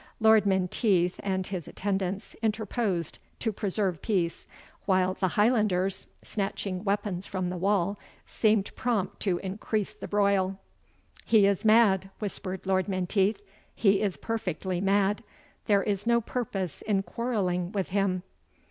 Lord Menteith and his attendants interposed to preserve peace, while the Highlanders, snatching weapons from the wall, seemed prompt to increase the broil. "He is mad," whispered Lord Menteith, "he is perfectly mad; there is no purpose in quarrelling with him."